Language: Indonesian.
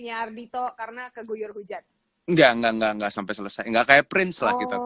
ardhito karena keguyur hujan nggak nggak nggak nggak sampai selesai nggak kayak prince lah kita